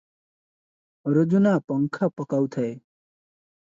ଅରଜୁନା ପଙ୍ଖା ପକାଉଥାଏ ।